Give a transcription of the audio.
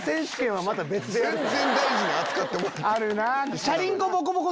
全然大事に扱ってもらってない。